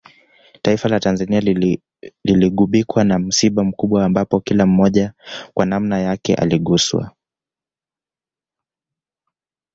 Taifa la Tanzania liligubikwa na msiba mkubwa ambapo kila mmoja kwa nanma yake aliguswa